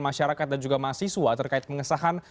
masyarakat dan juga mahasiswa terkait pengesahan